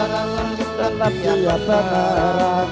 berkawin yang ikat kewangan dan setara